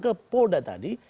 ke polda tadi